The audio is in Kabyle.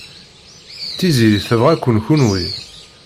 Tiziri tebɣa-ken kenwi.